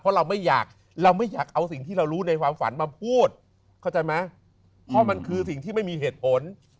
เพราะเราไม่อยากเอาสิ่งที่เรารู้ในความฝันมาพูดเพราะมันคือสิ่งที่ไม่มีเหตุผล